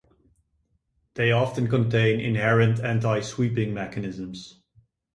They often contain inherent anti-sweeping mechanisms.